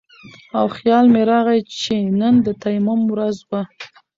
او خيال مې راغے چې نن د تيمم ورځ وه